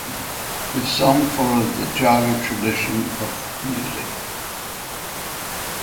His songs follows the Jagar tradition of music.